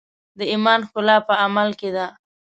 د ایمان ښکلا په عمل کې ده.